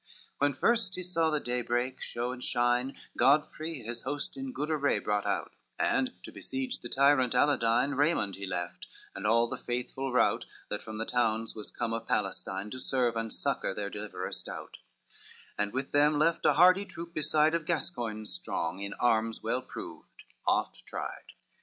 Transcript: VI When first he saw the daybreak show and shine, Godfrey his host in good array brought out, And to besiege the tyrant Aladine Raymond he left, and all the faithful rout That from the towns was come of Palestine To serve and succor their deliverer stout, And with them left a hardy troop beside Of Gascoigns strong, in arms well proved, oft tried.